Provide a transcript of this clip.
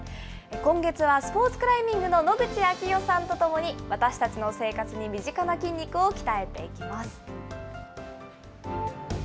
今月はスポーツクライミングの野口啓代さんと共に、私たちの生活に身近な筋肉を鍛えていきます。